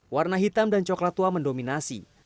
warna hitam dan coklat tua mendominasi